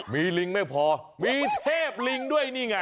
มีลิงไม่พอมีเทพลิงด้วยนี่ไง